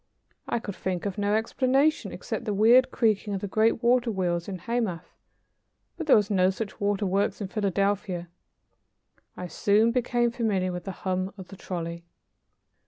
I could think of no explanation except the weird creaking of the great water wheels in Hamath, but there were no such waterworks in Philadelphia. I soon became familiar with the hum of the trolley.